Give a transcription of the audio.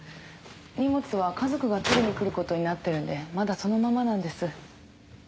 荷物は家族が取りに来ることになってるんでまだそのままなんです。